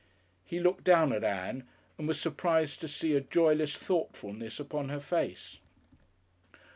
He looked down at Ann and was surprised to see a joyless thoughtfulness upon her face.